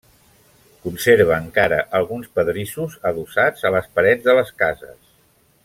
Conserva encara alguns pedrissos adossats a les parets de les cases.